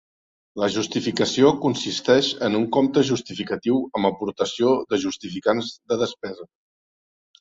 La justificació consisteix en un compte justificatiu amb aportació de justificants de despesa.